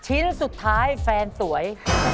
ชิ้นสุดท้ายแฟนสวย